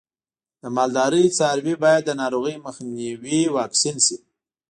د مالدارۍ څاروی باید د ناروغیو مخنیوي واکسین شي.